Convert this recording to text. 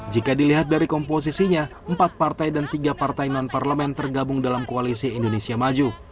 jika dilihat dari komposisinya empat partai dan tiga partai non parlemen tergabung dalam koalisi indonesia maju